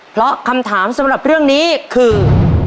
เพราะคำถามสำหรับเรื่องนี้คือ